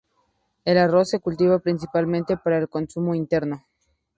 El arroz se cultiva principalmente para el consumo interno.